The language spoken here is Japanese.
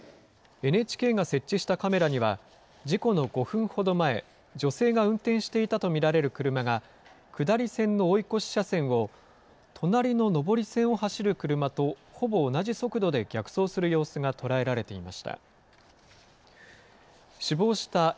ＮＨＫが設置したカメラには、事故の５分ほど前、女性が運転していたと見られる車が、下り線の追い越し車線を、隣の上り線を走る車とほぼ同じ速度で逆走する様子が捉えられていました。